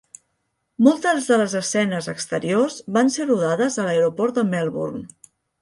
Moltes de les escenes exteriors van ser rodades a l'aeroport de Melbourne.